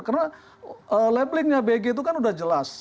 karena labelingnya bg itu kan udah jelas